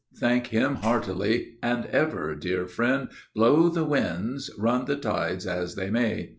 Thank him heartily and ever, dear friend, blow the winds, run the tides as they may.